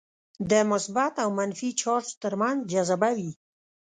د مثبت او منفي چارج ترمنځ جذبه وي.